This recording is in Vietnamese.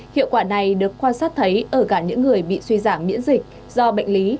hiệu quả này được quan sát thấy ở cả những người bị suy giảm miễn dịch do bệnh lý